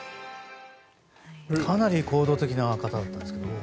かなり行動的な方だったんですけど。